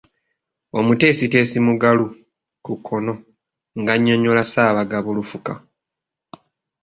Omuteesiteesi Mugalu (ku kkono) ng'annyonnyola Ssaabagabo Lufuka.